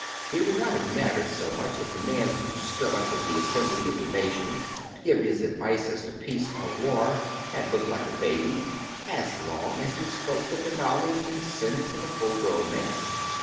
It would not have mattered so much if the man who stood up in the assembly of the nation, to give his advice as to peace or war, had looked like a baby, as long as he spoke with the knowledge and sense of a full grown man.